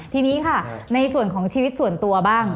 ทีนี้ค่ะในส่วนของชีวิตส่วนตัวบ้าง